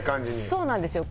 そうなんですよ。